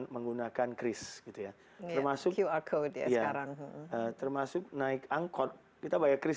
menggunakan kris gitu ya termasuk qr code ya termasuk naik angkot kita bayar kris